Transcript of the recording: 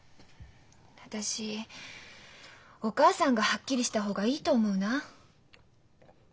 私お母さんがはっきりした方がいいと思うな。